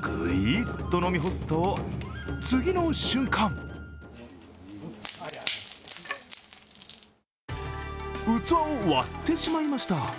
グイッと飲み干すと、次の瞬間器を割ってしまいました。